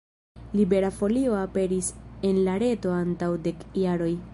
Libera Folio aperis en la reto antaŭ dek jaroj.